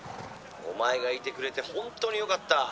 「お前がいてくれて本当によかった」。